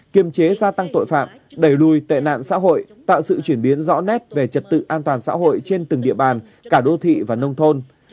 kiềm chế gia tăng tội phạm đẩy lùi tệ nạn xã hội tạo sự chuyển biến rõ nét về trật tự an toàn xã hội trên từng địa bàn cả đô thị và nông thôn